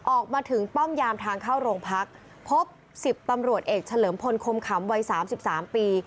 ออกมาถึงป้อมยามทางเข้าโรงพักพบ๑๐ตำรวจเอกเฉลิมพลคมขำวัย๓๓ปี